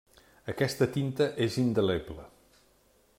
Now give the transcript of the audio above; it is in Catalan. Aquesta tinta és indeleble.